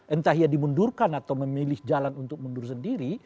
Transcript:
entah dia dimundurkan atau memilih jalan untuk mundur sendiri